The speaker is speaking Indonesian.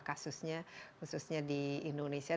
kasusnya khususnya di indonesia